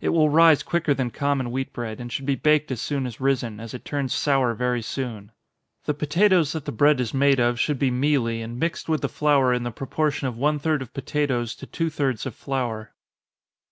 It will rise quicker than common wheat bread, and should be baked as soon as risen, as it turns sour very soon. The potatoes that the bread is made of should be mealy, and mixed with the flour in the proportion of one third of potatoes to two thirds of flour.